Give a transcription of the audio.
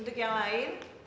untuk yang lain